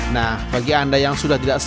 nah bagi anda yang sudah tidak sehat